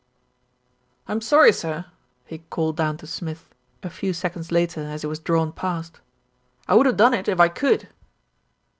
"I'm sorry, sir," he called down to Smith, a few seconds later as he was drawn past. "I would have done it if I could."